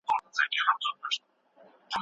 هغه مهال یوازې لاسي صنايعو رواج درلود.